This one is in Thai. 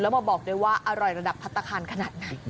แล้วมาบอกด้วยว่าอร่อยระดับพัตตาคานขนาดนั้น